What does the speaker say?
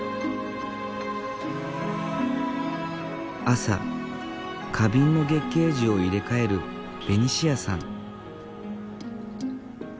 朝花瓶の月桂樹を入れ替えるベニシアさん。